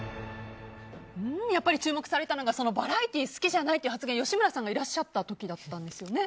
やっぱり注目されたのがそのバラエティー好きじゃないという発言吉村さんがいらっしゃった時だったんですよね。